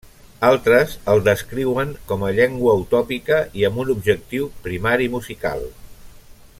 Altres el descriuen com a llengua utòpica i amb un objectiu primari musical.